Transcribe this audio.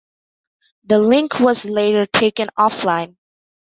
The link was later taken offline.